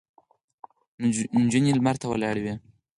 نجونې لمر ته ولاړې وې.